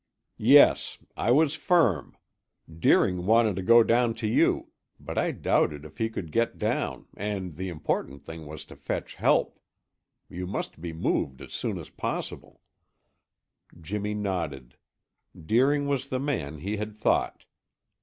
"Yes; I was firm. Deering wanted to go down to you; but I doubted if he could get down and the important thing was to fetch help. You must be moved as soon as possible." Jimmy nodded; Deering was the man he had thought.